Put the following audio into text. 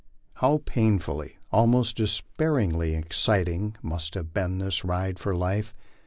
How painfully, almost despairingly exciting must have been this ride for life